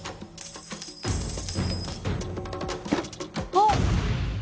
あっ。